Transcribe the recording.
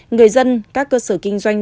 người dân các cơ sở kinh doanh